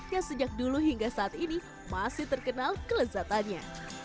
yang sejak dulu hingga saat ini masih terkenal kelezatannya